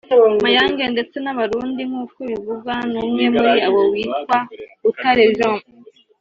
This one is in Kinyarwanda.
Mayange ndetse n’Abarundi nk’uko bivugwa n’umwe muri abo witwa Butare Jean